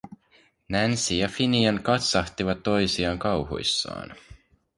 Nancy ja Finian katsahtivat toisiaan kauhuissaan.